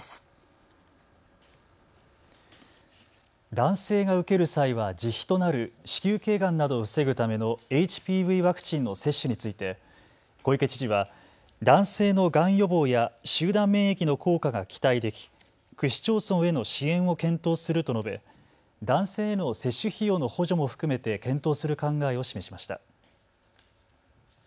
男性が受ける際は自費となる子宮けいがんなどを防ぐためのＨＰＶワクチンの接種について小池知事は男性のがん予防や集団免疫の効果が期待でき区市町村への支援を検討すると述べ男性への接種費用の補助も含めて検討する考えを示しました。